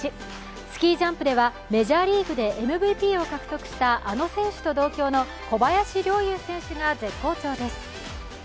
スキージャンプでは、メジャーリーグでＭＶＰを獲得したあの選手と同郷の小林陵侑選手が絶好調です。